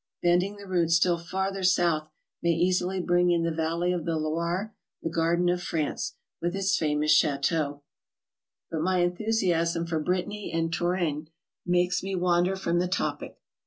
Bending the route still farther south may easily bring in the valley of the Loire, the garden of France, with its famous chateaux. But my enthusiasm for Brittany and Touraine makes me wander from the topic.